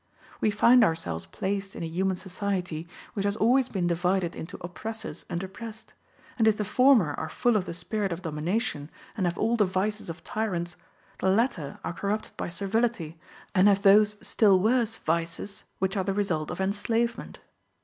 We find ourselves placed in a human society, which has always been divided into oppressors and oppressed; and if the former are full of the spirit of domination, and have all the vices of tyrants, the latter are corrupted by servility, and have those still worse vices, which are the result of enslavement.